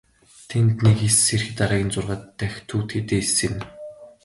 Тэнд нэг эс сэрэхэд дараагийн зургаа дахь төвд хэдэн эс сэрнэ.